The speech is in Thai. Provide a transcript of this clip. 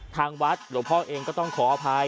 ทางวัดหลวงพ่อเองก็ต้องขออภัย